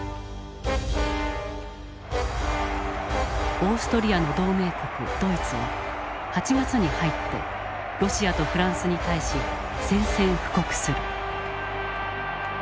オーストリアの同盟国ドイツは８月に入ってロシアとフランスに対し宣戦布告する。